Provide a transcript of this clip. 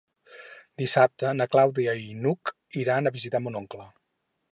Dissabte na Clàudia i n'Hug iran a visitar mon oncle.